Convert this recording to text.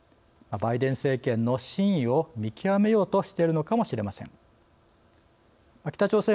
バイデン政権の真意を見極めようとしているのかもしれません。